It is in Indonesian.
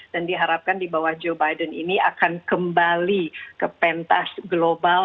dan diharapkan di bawah joe biden ini akan kembali ke pentas global